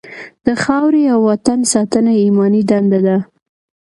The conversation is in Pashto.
د خاورې او وطن ساتنه ایماني دنده ده.